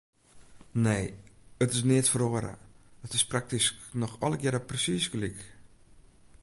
Nee, it is neat feroare, it is praktysk noch allegear persiis gelyk.